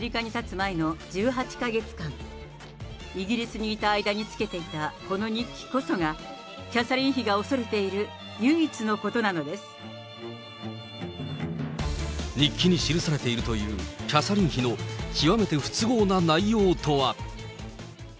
前の１８か月間、イギリスにいた間につけていたこの日記こそが、キャサリン妃がお日記に記されているという、キャサリン妃の極めて不都合な内容とは。